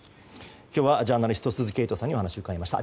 今日はジャーナリスト鈴木エイトさんにお話を伺いました。